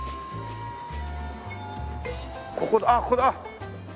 ここあっここだ。